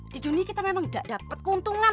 di dunia kita memang ndak dapat keuntungan